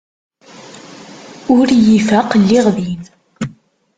Ur iyi-ifaq lliɣ din.